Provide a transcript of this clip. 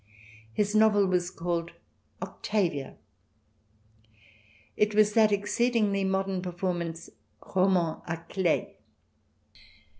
His novel was called "Octavia." It was that exceed ingly modern performance, a roman a clef.